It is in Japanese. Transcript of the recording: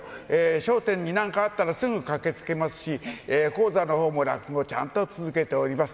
笑点に何かあったらすぐ駆けつけますし、高座のほうも落語、ちゃんと続けております。